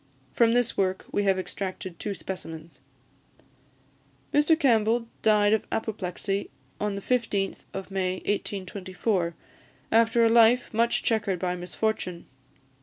From this work we have extracted two specimens. Mr Campbell died of apoplexy on the 15th of May 1824, after a life much chequered by misfortune.